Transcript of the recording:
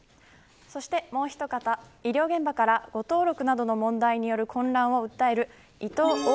そしてもうひと方医療現場から誤登録などの問題による混乱を訴えるいとう